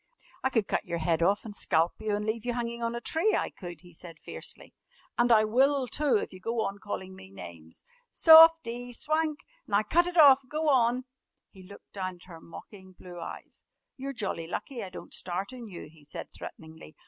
"I could cut your head off an' scalp you an' leave you hanging on a tree, I could," he said fiercely, "an' I will, too, if you go on calling me names." "Softie! Swank! Now cut it off! Go on!" He looked down at her mocking blue eyes. "You're jolly lucky I don't start on you," he said threateningly.